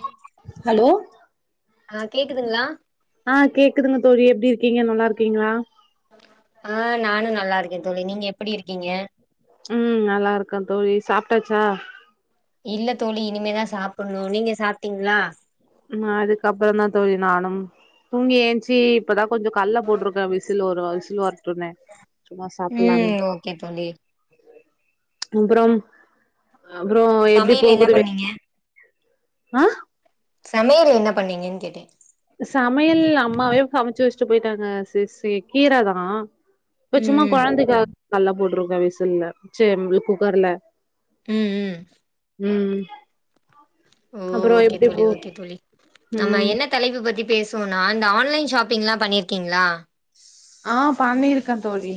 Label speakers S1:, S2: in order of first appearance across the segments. S1: ம்
S2: ஹலோ
S1: ஆ கேக்குதுங்களா
S2: ஆ கேக்குதுங்க தோழி எப்டிருக்கீங்க நல்லாருக்கீங்களா
S1: ஆ நானு நல்லா தோழி நீங்க எப்படி இருக்கீங்க
S2: ம் நல்லா இருக்கோ தோழி சாப்ட்டாச்சா
S1: இல்ல தோழி இனிமேதா சாப்பணு நீங்க சாப்ட்டீங்களா
S2: அதுக்கப்புறந்தா தோழி நானு தூங்கி ஏச்சி இப்பதா கொஞ்ச கல்ல போட்டிருக்கோ விசில் வ விசில் வர சொன்னே
S1: ம் ஓகே தோழி
S2: அப்புறம் அப்புறம் எப்டி
S1: சமையல் என்ன
S2: போகுது
S1: பண்ணீங்க
S2: ஆ
S1: சமையல என்ன பண்ணீங்கன் கேட்டே
S2: சமையல் அம்மாவே சமைச்சு வச்சுட்டு போயிட்டாங்க சே சே கீரதா இப்ப சும்மா
S1: ம்
S2: கொழந்தைக்கா கல்ல போட்ருக்கோ விசல்ல சே குக்கர்ல
S1: ம் ம்
S2: ம்
S1: ஓ
S2: அப்புறோ
S1: ஓகே
S2: எப்டி
S1: தோழி
S2: போ
S1: ஓகே தோழி நம்ம
S2: ம்
S1: என்ன தலைப்பு பத்தி பேசுவோ நா இந்த ஆன்லைன் ஷாப்பிங்லா பண்ணிருக்கீங்களா
S2: ஆ பண்ணிருக்கே தோழி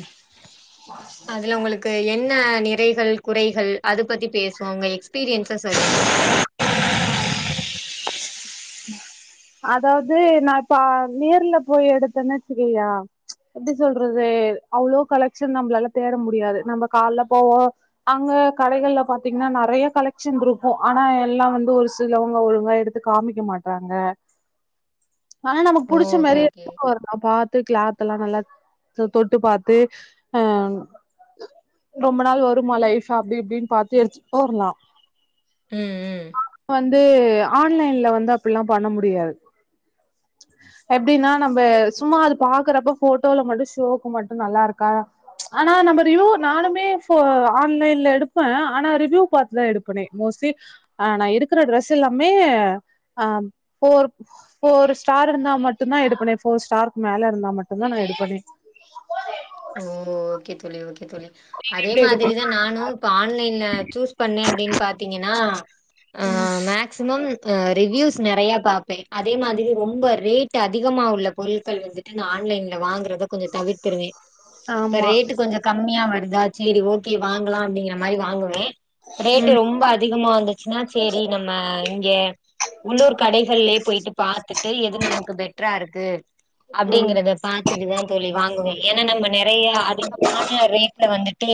S1: அதுல உங்களுக்கு என் ஆ நிறைகள் குறைகள் அது பத்தி பேஸ் ஒங்க எக்ஸ்பீரியன்ஸ்ஸ சொல்லுங்க
S2: அதாவது நா இப்பா நேர்ல போய் எடுத்தேன்ன வச்சுக்கோங்க எப்டி சொல்றது அவ்ளோ கலெக்ஷன் நம்மளால தேட முடியாது நம்ம கால்ல போவோ அங்க கடைகள்ல பாத்தீங்கன்னா நெறைய கலெக்ஷன் இருக்கு ஆனா எல்லா வந்து ஒரு சிலவங்க ஒழுங்கா எடுத்து காமிக்க மாட்டாங்க ஆனா நமக்கு புடிச்ச
S1: ஓகே
S2: மாரி
S1: ஓகே
S2: எடுத்துனு வரணு பாத்து கிளாத்தெல்லா நல்லா தொ தொட்டு பாத்து அ ரொம்ப நாள் வருமா லைஃப்பு அப்டி இப்டின்னு பாத்து எடுத்துட்டு வரலா
S1: ம் ம்
S2: வந்து ஆன்லைன்ல வந்து அப்டில்லா பண்ண மு [unintelligible] எப்டின்னா நம்ம சும்மா அது பாக்குறப்ப போட்டோல மட்டும் ஷோக்கு மட்டு நல்லாருக்கா ஆனா நம்ம ரிவு நானுமே ஆன்லைன்ல எடுப்பே ஆனா ரிவ்யூ பாத்துதா எடுப்பனே மோஸ்ட்லி ஆ நா இருக்கற ட்ரெஸ் எல்லாமே ஆம் போர் போர் ஸ்டார் இருந்தா மட்டுந்தா எடுபண்னே போர் ஸ்டாக்கு மேல இருந்தா மட்டுந்தா நா எடுப்பனே
S1: ஓ! ஓகே தோழி, ஓகே தோழி அதே மாதிரிதா நானு இப்ப ஆன்லைன்ல சூஸ் பண்ணே அப்டின் பாத்தீங்கன்னா ஆ மேக்சிமம் அ ரிவ்யூஸ் நெறைய பாப்பே அதே மாதிரி ரொம்ப ரேட் அதிகமா உள்ள பொருட்கள் வந்துட்டு நா ஆன்லைன்ல வாங்குறத கொஞ்ச தவிர்த்துருவே இப்ப
S2: ஆமா
S1: ரேட்டு் கொஞ்ச கம்மியா வ அதாச் சரி ஓகே வாங்கலா அப்டிங்கிற மாரி வாங்குவே ரேட்டு ரொம்ப அதிகமா இருந்துச்சுன்னா சரி நம்ம இங்க உள்ளூர் கடைகள்லயே போய்ட்டு பாத்துட்டு எது நமக்கு பெட்ரா இருக்கு
S2: ம்
S1: அப்டிங்கறத பா இதுதா தோழி வாங்குவே ஏனா நம்ப நெறைய அதிகமான ரேட்ல வந்துட்டு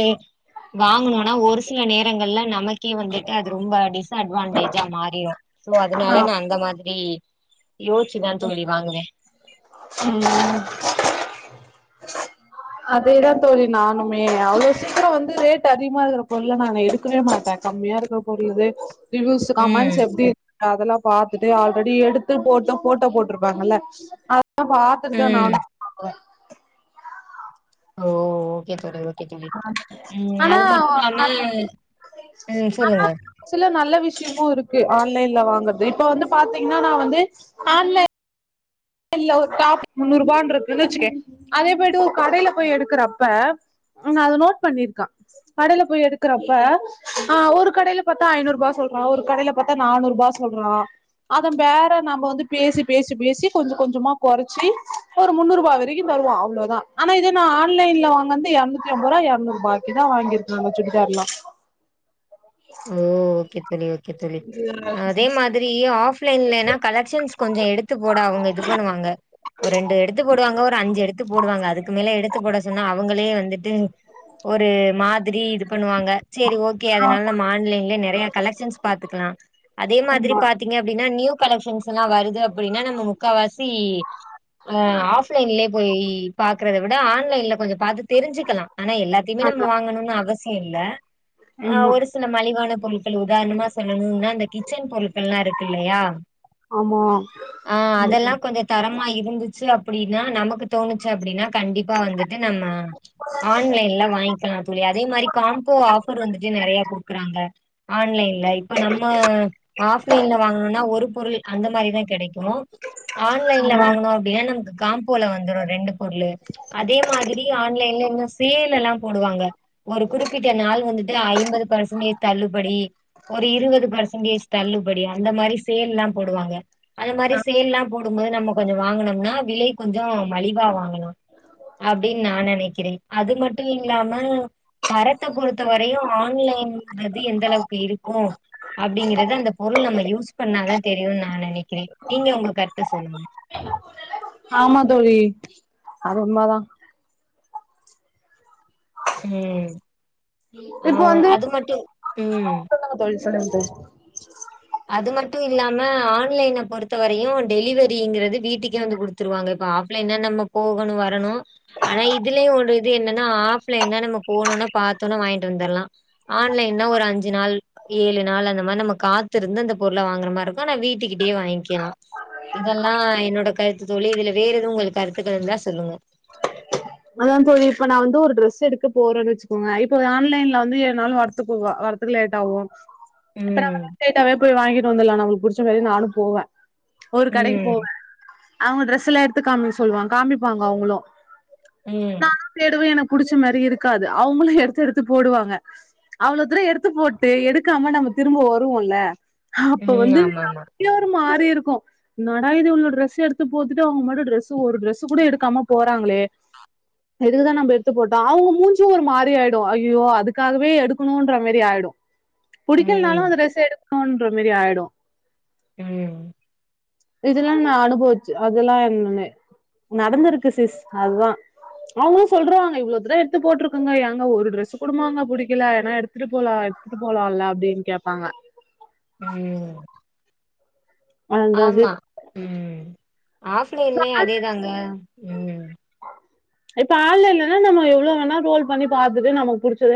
S1: வாங்கனுனா ஒரு சில நேரங்கள்ல நமக்கே வந்துட்டு அது ரொம்ப டிஸ்அட்வான்டேஜா மாறிரு சோ அதனால
S2: ஆ
S1: நா அந்த மாதிரி யோச்சிட் தா தோழி வாங்குவே
S2: ம் அதேதா தோழி நானுமே அவ்ளோ சீக்கிரோ வந்து ரேட் அதிக்மா இருக்குற பொருள்லா நா எடுக்கவே மாட்டே கம்மியா இருக்கிற பொருள் எது ரிவியூஸு
S1: ம்
S2: கம்மான்ஸு எப்டி இ அதெல்லா பாத்துட்டு ஆல்ரெடி எடுத்து போட்ட ஃபோட்டோ போட்ருப்பாங்கல்ல [inaudible] பாத்துட்டுதா நா [inaudible]
S1: ம்
S2: வாங்குவே
S1: ஓ ஓகே தோழி ஓ
S2: ஆனா [inaudible]
S1: ம்
S2: ஆனா
S1: சொல்லுங்க
S2: சில நல்ல விஷ்யமோ இருக்கு ஆன் லைன்ல வாங்கற்து இப்ப வந்து பாத்தீங்ன்னா நா வந்து ஆன்லைன் இ ஒ க ஒரு முன்னூருபான்ட்ருக்குன் வச்சுக்கே அதே போய்ட்டு ஒ கடைல போய் எடுக்கேறப்ப ம் நா அத நோட் பண்ணிருக்கே கடைல போய் எடுக்குறப்ப ஆ ஒரு கடைல பாத்தா ஐநூருபா சொல்றா ஒரு கடைல பாத்தா நானூருபா சொல்றா அத வேற நம்போ வந்து பேசி பேசி பேசி கொஞ்சோ கொஞ்சமா கொறச்சி ஒரு முன்னூருபா வெரிக்கு வருவோ அவ்ளோதா ஆனா இதே நா ஆன்லைன்ல வாங்கந்து எர்நூத்தி உம்போதா எர்னுருபாய்க்கி தா வாங்கிர்க்கங்க சுடிதார்ல்லா
S1: ஓ ஓகே தோ ழி ஓகே தோழி அதே மாதிரி ஆஃப்லைன்லனா கலெக்ஷன்ஸ் கொஞ்சோ எடுத்து போட அவங்க இது பண்ணுவாங்க ஒரு ரெண்டு எடுத்து போடுவாங்க ஒரு அஞ்சு எடுத்து போடுவாங்க அதுக்கு மேல எடுத்து போட சொன்னா அவுங்களே வந்துட் டு ஒரு மாதிரி இது பண்ணுவாங்க செரி ஓகே அதனால நம் ஆன்லைன்ல நெறைய கலெக்ஷன்ஸ் பாத்துக்கலா அதே மாதிரி
S2: ஆமா
S1: பாத்தீங்க அப்டினா ந்யூ கலெக்ஷன்ஸ் எல்லா வருது அப்படின்னா நம்ம முக்கால்வாசி அ ஆஃப்லைன்லே போய் பாக்றத விட ஆன்லைன்ல கொஞ்சோ பாத்து தெரிஞ்சுக்கலா ஆனா எல்லாத்திமே நம்ம வாங்கணுன் அவ சிய இல்ல ஆ
S2: ஆம்மா
S1: ஒரு சில மலிவான பொருட்கள் உதார்ணமா சொல்லணுனா அந்த கிச்சன் பொருட்கள்லா இருக்குல்லையா
S2: ஆமா
S1: அ அதெல்லா
S2: ம்
S1: கொஞ்சு தரம் மா இருந்துச்சு அப்புடீனா நமக்கு தோணுச்சு அப்டினா கண்டிப்பா வந்துட்டு நம்ம ஆன்லைன்ல வாய்ங்கெலா தோழி அதே மாரி காம்போ ஆஃபரு வந்துட்டு நெறைய குடுக் குறாங்க ஆன்லைன்ல இப்ப நம்ம ஆஃப்லைன்ல வாங்கனுனா ஒரு பொருளு அந்த மாரிதா கெடைக்கு ஆன்லைன்ல வாங்கனு அப்டினா நமுக் காம்ப் போல வந்துரு ரெண்டு பொர்ளு அதே மாதி ரி ஆன்லைன்ல இந்த சேலெல்லா போடுவாங்க ஒரு குறிப்பிட்ட நாள் வந்துட்டு ஐம்பது பேர்செ [unintelligible] தள்ளுபடி ஒரு இருவது பர்சன்டேஜ் தள்ளுபடி அந்த மாரி சேல்லா போடுவாங்க அந்த மாரி சேல்லா போடும்போது நம்ம கொஞ்சோ வாங்கனம்னா விலை கொஞ்சோ மலிவா வாங்கலாஓ அப்டின் நா நெனைக்கிறே அது மட்டு இல்லாம தரத்த பொறுத்த வரையு ஆன்லைன் அது எந்தளவுக்கு இருக்கோ அப்டிங்கிறது அந்த பொருள் நம்ம யூஸ் பண்ணாதா தெரியுன் நா நெனைக் க்றே நீங்க உங்க கருத்த சொல்லுங்க
S2: ஆமா தோழி அது உண்மதா
S1: ம்
S2: இப்போ
S1: ம்
S2: வந்து
S1: அது மட்டு ம்
S2: சொல்லுங்க தோழி சொல்லுங்க தோழி
S1: அது மட்டு இல்லாம ஆன்லைன பொறுத்தவரையு டெலிவரிங்றது வீட்டுக்கே வந்து குடுத்துருவாங்க இப்ப ஆஃப்லைன்னா நம்ம போகணு வரணு ஆனா இதுலயு ஒரு இது என்னன்னா ஆஃப்லைன்னா நம்ம போனோன பாத்தோன வாங்கிட்டு வந்தர்லா ஆன்லைன்னா ஒரு அஞ்சு நாள் ஏழு நாள் அந்த மாரி நம்ம காத் துருந்து அந்த பொருள வாங்கற மாரிருக்கு ஆனா வீட்டுக்கிட்டயே வாங்க்கிலா இதெல்லா என்னோட கருத்து தோழி இதுல வேற எதுவு உங்களுக்கு கருத்துக்கள் இருந்தா சொல்லுங்க
S2: அதா தோழி இப்ப நா வந்து ஒரு ட்ரெஸ் எடுக்க போறன்னு வெச்சுக்கோங்க இப்போ ஆன்லைன்ல வந்து எதுனாலு வரத்துக்கு வரதுக்கு லேட் ஆகு இப்ப
S1: ம்.
S2: நாம ஸ்ட்ரய்ட்டாவே போய் வாங்கி ட்டு வந்தலா நம்மளுக்கு புடிச்ச மாரி நானு போவ ஒரு கடைக்கு
S1: ம்.
S2: போவே அவங்க ட்ரெஸல்லா எடுத்து காமிக்க சொல்லுவாங்க காமிப்பாங்க அவுங்களு நா
S1: ம்.
S2: தேடுவே எனக் புடிச்ச மாரி இருக்காது அவுங்களு எடுத்து எடுத்து போடுவாங்க அவ்ள தூர எடுத்து போட்டு எடுக்காம நம்ம திரும்ப வருவோல அப்ப
S1: ம்.
S2: வந்து
S1: ஆமாமா.
S2: நமக்கே ஒரு மாரி இருக்கு என்னாடா இது இவ்ள ட்ரெஸ் எடுத்து போத்துட்டு அவங்க பாட்டுக் ட்ரெஸு ஒரு ட்ரெஸ்ஸு கூட எடுக்காம போறாங்களே எதுக்குதா நம்ம எடுத்து போட்டோ அவுங்க மூஞ்சு ஒரு மாறி ஆயிடு ஐய்யோ அதுக்காகவே எடுக்கணுன்ற மாரி ஆயிடு புடிக்கலனாலு
S1: ம்.
S2: அந்த ட்ரெஸ் எடு ன்ற மாரி ஆயிடு
S1: ம்
S2: இதெல்லா நா அனுபவிச்சு அதெல்லா என்னென்னு நடந்திருக்கு சிஸ் அதுதா அவுங்ளு சொல்றாங்க இவ்ளோ தடவ எடுத்து போட்டுருக்கேங்க ஏங்க ஒரு ட்ரெஸ்ஸு கூட வாங்க புடிக்கல ஏன்னா எடுத்துட்டு போலா எடுத்துட்டு போலால்ல அப்டின்னு கேப்பாங்க
S1: ம்
S2: அதுதா
S1: ஆமா
S2: சிஸ்
S1: ம் ஆஃப்லைன்லேயும் அதே தாங்க ம்
S2: ர புடிச்சத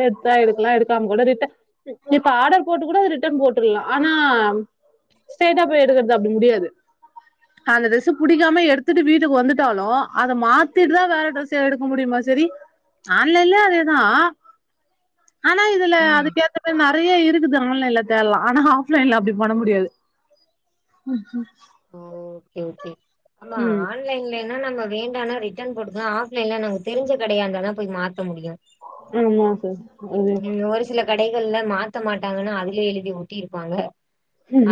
S2: ஆர்டர் போட்டுறலாம் ஆனா எடுக்கறது அது முடியாது அந்த டிரஸ் பிடிக்காம எடுத்துட்டு வீட்டுக்கு வந்துட்டாலும் அத மாத்திட்டுதான் வேற எடுக்க முடியுமா சரி ஆன்லைலே அதேதான் ஆனா இதுல
S1: ம்.
S2: அதுக்கேத்த பே அது நிறைய இருக்குது ஆன்லைன்ல தேடலாம் ஆனா ஆஃப் லைன்ல அப்படி பண்ண முடியாது
S1: அ ஓகே ஓகே ஆமா
S2: ம்
S1: ஆன்லைன்ல ஏன்னா நம்ம வேண்டாம்னா ரிட்டர்ன் போட்டுக்கலாம் ஆப்லைன்ல நமக்கு தெரிஞ்ச கடையா இருந்தா தான் போய் மாத்த முடியும்
S2: ஆமா சார் அதே
S1: ம் ஒரு சில கடைகள்ல மாத்த மாட்டாங்கன்னு அவுகளே எழுதி ஒட்டி இருப்பாங்க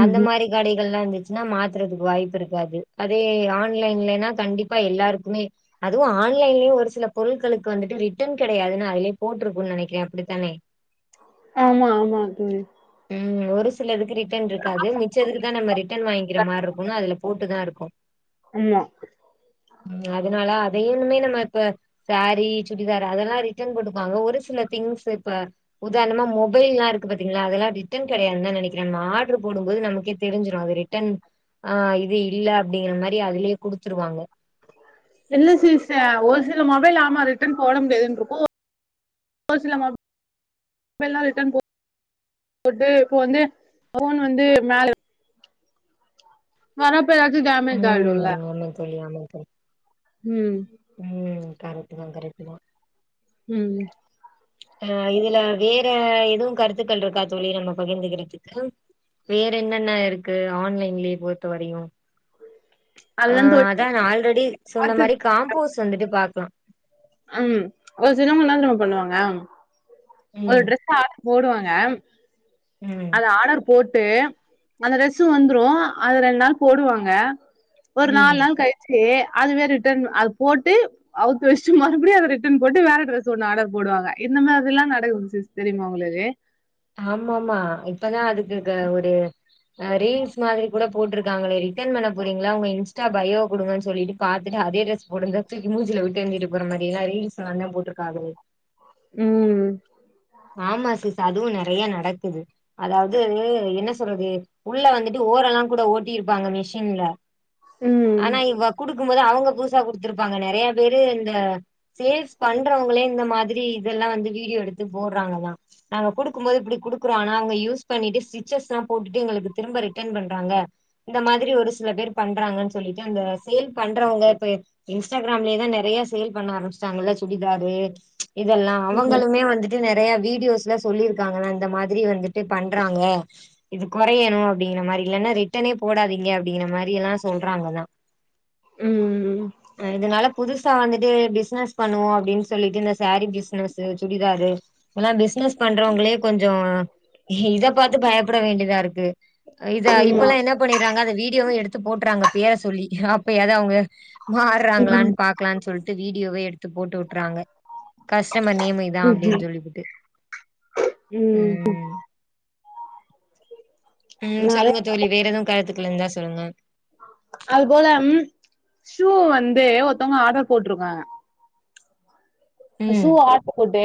S1: அந்த மாரி கடை தெல்லா இருந்துச்சுன்னா மாத் குறதுக்கு வாய்ப்பு இருக்காது அதே ஆன்லைன்லேனா கண்டிப்பா எல்லாருக்குமே அதுவும் ஆன்லைன்லையும் ஒரு சில பொருள்களுக்கு வந்துட்டு ரிட்டர்ன் கிடையாதுன்னு அதுலயே போட்ருக்கும்னு நெனைக்கிறேன் அப்புடித்தானே
S2: ஆமா ஆமா தோழி
S1: அ சில எடுக்குறி ட்டன்ட்ருக்காது மிச்சத்துக்கு தா நம்ம ரிட் டன் வாங்கிற மார்ருக் வங்க அதுல போட்டு தா இருக்கோ
S2: ஆமா
S1: ம் அதனால வேனுமே நம்ம இப்ப சேரி சுடிதார் அதெல்லா ரிட்டர்ன் போட்டுக்குவாங்க ஒரு சில திங்ஸ் இப்ப உதாரணமா மொபைல்லா இருக்கு பாத்தீங்களா அதெல்லா ரிட்டர்ன் கிடையாதுனு தா நெனைக்கிறேன் நம்ம ஆட்ரு போடும்போது நமக்கே தெரிஞ்சிரும் அது ரிட்டன் ஆ இது இல்ல அப்டிங்கிற மாரி அதுலயே குடுத்துருவாங்க
S2: இல்ல சிஸ் அ ஒரு சில மொபைல் ஆமா ரிட்டன் போட முடியாதுன்ட்ருக்கோ ஒரு சில மொப் [unintelligible] போட்டு இப்ப வந்து ஃபோன் வந்து மேல வராப் பே அது
S1: ம்
S2: டேமேஜாயிடுள்ள
S1: ஆமா தோழி ஆமா தோழி
S2: ம்
S1: இத்தா கரெக்ட்டு தா
S2: ம்
S1: அ இதுல வேற எதுவும் கருத்துக்கள்ட்ருக்கா தோழி நம்ம பகிர்ந்துக்கிறதுக்கு வேற என்னென்ன இருக்கு ஆன்லைன்லயே பொறுத்த வரையும் ஆ
S2: அதுதா தோழி
S1: அத்தா நா ஆல்ரெடி சொன்ன
S2: பாத்து
S1: மாரி காம்போஸ் வந்துட்டு பாக் க்லா
S2: அம் ஒரு சிலவங்க னா தெரியுமா பண்ணுவாங்க ஒரு
S1: ம்
S2: ட்ரெஸ்ஸ ஆ போடுவாங்க
S1: ம்
S2: அது ஆடர் போட்டு அந்த ட்ரெஸு வந்துரூ அத ரெண்ட் நாள் போடுவாங்க ஒரு நாலு
S1: ம்.
S2: நாள் கழிச்சு அதுவே ரிட்டன் அது போட்டு அவுத்து வெஸ் சு மறுபடியு அத ரிட்டன் போட்டு வேற ட்ரஸ் ஒண்ணு ஆர்டர் போடுவாங்க இந்த மாதிரில்லா நடக்குது சிஸ் தெரியுமா உங்களுக்கு
S1: ஆமாமா இப்பதா அது இருக்க ஒடு ஆ ரீல்ஸ் மாதிரி கூட போட்ருக்காங்களே ரிட்டன் பண்ண போறீங்களா உங்க இன்ஸ்டா பயோ குடுங்கன்னு சொல்லிட்டு காத்துட்டு அதே ட்ரஸ் போடுங்க தூக்கி மூச்சில விட்டு எரிஞ்சுட்டு போற மாரிலா ரீல்ஸ் நன்னா போட்ருக்காவு
S2: ம்
S1: ஆமா சிஸ் அதுவும் நறைய நடக்குது அதாவது என்ன சொல்றது உள்ள வந்துட்டு ஓரல்லா கூட ஓட்டிருப்பாங்க மிஷின்ல
S2: ம்
S1: ஆனா இவ குடுக் கும்போதே அவங்க புதுசா குடுத்துருப்பாங்க நெறையா பேரு இந்த சேல்ஸ் பண்றவங்களே இந்த மாதிரி இதெல்லா வந்து வீடியோ எடுத்து போட்றாங்கதா நாங்க குடுக்கும் போது இப்புடி குடுக்குறோ ஆனா அவங்க யூஸ் பண்ணிட்டு ஸ்டிச்சஸ்லா போட்டுட்டு எங்களுக்கு திரும்ப ரிட்டர்ன் பண்றாங்க இந்த மாதிரி ஒரு சில பேர் பண்றாங்கன்னு சொல்லிட்டு அந்த சேல் பண்றவங்க இப்ப இன்ஸ்டாகிராம்லே தா நெறையா சேல் பண்ண ஆரம்பிச்சுட்டாங்கள்ள சுடி தாதுவே இதெல்லா அவங்களுமே வந்து நெறையா வீடியோஸ்ல சொல்லிருக்காங்கல்ல இந்த மாதிரி வந்துட்டு பண்றாங்க இது குறையணு அப்டிங்கிற மாரி இல்லன்னா ரிட்டனே போடாதீங்க அப்டிங்கின மாரி எல்லா சொல்றாங்கல்லா
S2: ம் ம் ம்
S1: புதுசா வந்துட்டு பிஸ்னஸ் பண்ணுவோ அப்புடின்னு சொல்லிட்டு இந்த சேரி பிஸ்னஸு சுடிதாரு எல்லா பிசினஸ் பண்றவங்களே கொஞ்சோ இத பாத்து பயப்பட வேண்டியதா இருக்கு இத
S2: ஆமா
S1: இப்பெல்லா என்ன பண்ணறாங்க அத வீட் விடியோவு எடுத்து போட்டுறாங்க பேர சொல்லி அப்பயாவது அவங்க மாறாங்களான்னு பாக்கலான்னு சொல்லிட்டு வீடியோவே எடுத்து போட்டு விட்டுறாங்க க கஸ்டமர் நேம் இத அப்டின்னு சொல்லி ட்டு
S2: உம்
S1: உம் சொல்லுங்க தோழி வேற எதுவு கருத்து [unintelligible] இருந்தா சொல்லுங்க
S2: அது போல ம் ஷூ வந்து ஒருத்தவங்க ஆர்டர் போட்டிருக்காங்க ஷூ
S1: ம்
S2: ஆர்டர் போட்டு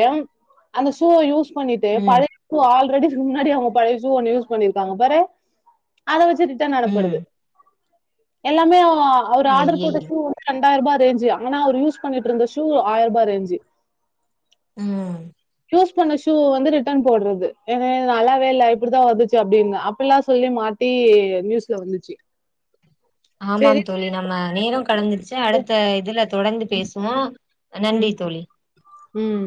S2: அந்த ஷூவ யூஸ் பண்ணிட்டு
S1: ம்
S2: பழையக்கு ஷூவ ஆல்ரெடி முன்னாடி அவங்க பழைய ஷூ ஒன்னு யூஸ் பண்ணிருக்காங்க பாரு அத வச்சு ரிட்டர்ன்
S1: ம்
S2: அனுப்புறது எல்லாமே அவர் ஆர்டர் போட்டு ஆர்டர் போட்ட
S1: ஐயையோ
S2: ஷூ [inaudible] ரெண்டுயுருபா ரேஞ்சு ஆனா ஒரு யூஸ் பண்ணிட்டு இருந்த ஷூ ஆயாருபா ரேஞ்சு
S1: உம்
S2: யூஸ் பண்ண ஷூ வந்து ரிட்டர்ன் போடுறது ஏன்ன நல்லாவே இல்ல இப்டித்தா வந்துச்சு அப்டின்னு அப்டில சொல்லி மாட்டி நியூஸ்ல வந்துச்சு
S1: ஆமாம்
S2: சரி
S1: தோழி நம்ம நேரோ கடந்துருச்சு அடுத்த இதுல தொடர்ந்து பேசுவோ நன்றி தோழி
S2: உம்